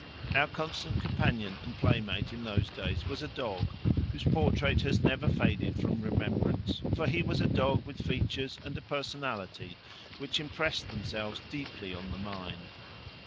Our constant companion and playmate in those days was a dog, whose portrait has never faded from remembrance, for he was a dog with features and a personality which impressed themselves deeply on the mind.